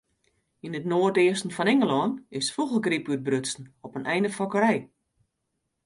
Yn it noardeasten fan Ingelân is fûgelgryp útbrutsen op in einefokkerij.